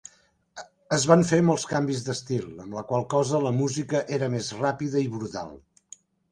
Es van fer molts canvis destil, amb la qual cosa la música era més ràpida i brutal.